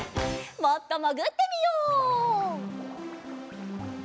もっともぐってみよう。